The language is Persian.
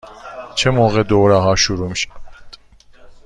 چه موقع دوره ها شروع می شود؟